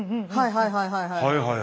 はいはいはいはいはい。